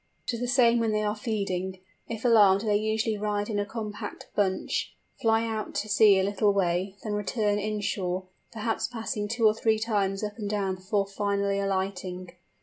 It is the same when they are feeding. If alarmed they usually rise in a compact bunch, fly out to sea a little way, then return inshore, perhaps passing two or three times up and down before finally alighting.